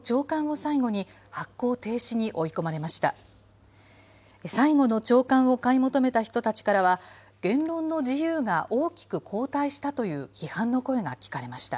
最後の朝刊を買い求めた人たちからは、言論の自由が大きく後退したという批判の声が聞かれました。